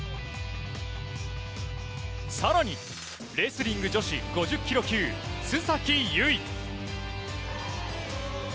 さらにレスリング女子５０ｋｇ級、須崎優衣。